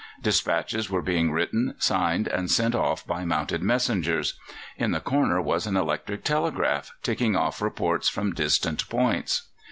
Dispatches were being written, signed, and sent off by mounted messengers. In the corner was an electric telegraph, ticking off reports from distant points.